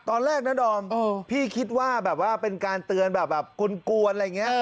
ตอนแรกนะดอมพี่คิดว่าแบบว่าเป็นการเตือนแบบกวนอะไรอย่างนี้